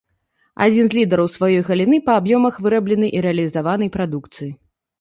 Адзін з лідараў сваёй галіны па аб'ёмах вырабленай і рэалізаванай прадукцыі.